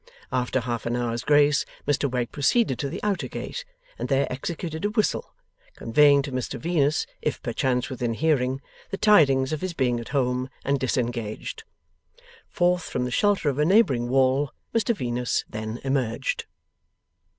After half an hour's grace, Mr Wegg proceeded to the outer gate, and there executed a whistle, conveying to Mr Venus, if perchance within hearing, the tidings of his being at home and disengaged. Forth from the shelter of a neighbouring wall, Mr Venus then emerged.